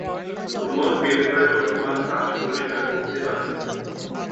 রুমাল বের করে চশমার কাঁচ পরিষ্কার করতে লাগলেন।